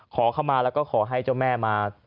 ขอเข้ามาแล้วก็ขอให้เจ้าแม่มา